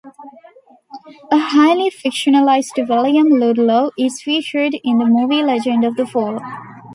A highly fictionalized William Ludlow is featured in the movie Legends of the Fall.